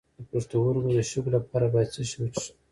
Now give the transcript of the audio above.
د پښتورګو د شګو لپاره باید څه شی وڅښم؟